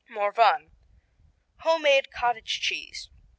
III. Morvan homemade cottage cheese.